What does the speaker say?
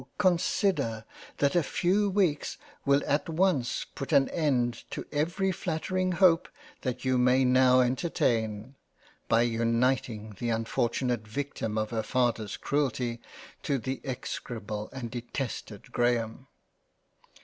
consider that a few weeks will at once put an end to every flattering Hope that you may now entertain, by uniting the unfortunate Victim of her father's Cruelty to the execrable and detested Graham."